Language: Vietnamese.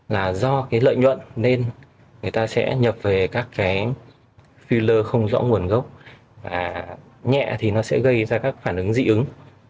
là do cái lợi nhuận nên người ta sẽ nhập về các cái filler không rõ nguồn gốc và nhẹ thì nó sẽ gây ra các phản ứng dị ứng